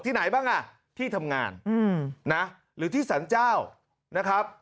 ไหนบ้างอ่ะที่ทำงานนะหรือที่สรรเจ้านะครับ